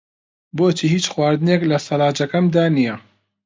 بۆچی هیچ خواردنێک لە سەلاجەکەمدا نییە؟